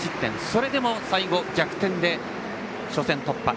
それでも最後逆転で、初戦突破。